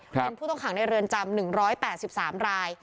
เป็นผู้ต้องขังในเรือนจำ๑๘๓ราย